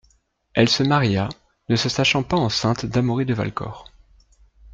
Elle se maria, ne se sachant pas enceinte d’Amaury de Valcor.